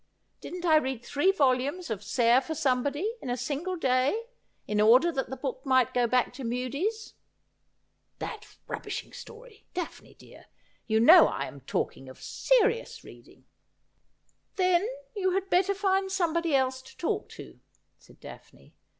Didn't I read three volumes of " Sair for Somebody," in a single day, in order that the book might go back to Mudie's ?'' That rubbishing story ! Daphne dear, you know I am talk ing of serious reading.' ' Then you had better find somebody else to talk to,' said Daphne.